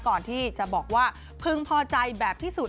ก่อนที่จะบอกว่าพึงพอใจแบบที่สุด